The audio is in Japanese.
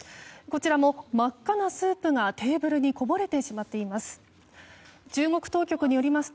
こちらも真っ赤なスープがテーブルにこぼれてしまっています。